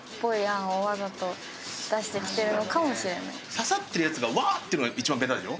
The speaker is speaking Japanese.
刺さってるヤツがワーッ！っていうのが一番ベタでしょ？